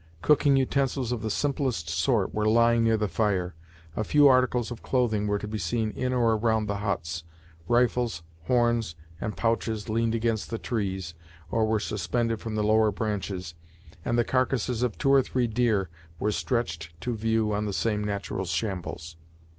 Cooking utensils of the simplest sort were lying near the fire, a few articles of clothing were to be seen in or around the huts, rifles, horns, and pouches leaned against the trees, or were suspended from the lower branches, and the carcasses of two or three deer were stretched to view on the same natural shambles.